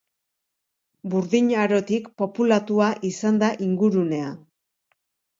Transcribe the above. Burdin Arotik populatua izan da ingurunea.